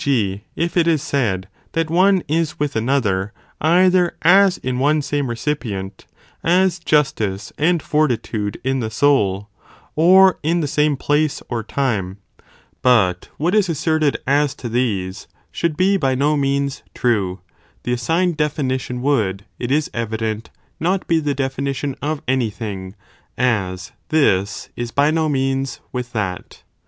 g. if it is said that one is with another, either as in one same recipient, as justice and fortitude in the soul; or in the same place or time, but what is asserted as to these, should be by no means true, the assigned definition would, it is evident, not be the definition of any thing, as this 8. Ofidentity is by no means with that.